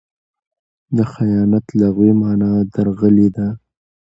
د خیانت لغوي مانا؛ درغلي ده.